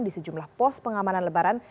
di sejumlah pos pengamanan lebaran